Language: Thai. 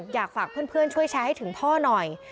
อยากฝากเพื่อนช่วยแชร์ให้ถึงพ่อหน่อย